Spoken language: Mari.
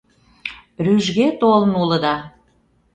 Рӱжге толын улыда.